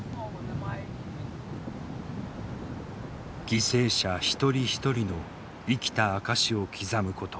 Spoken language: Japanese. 犠牲者一人一人の生きた証しを刻むこと。